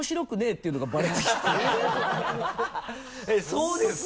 そうですか？